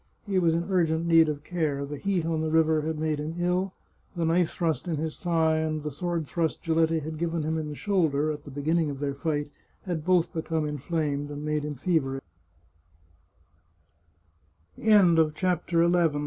He was in urgent need of care. The heat on the river had made him ill ; the knife thrust in his thigh and the sword thrust Giletti had given him in the shoulder, at the beginning of their fight, had both become infl